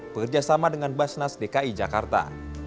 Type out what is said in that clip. bekerjasama dengan basnas dki jakarta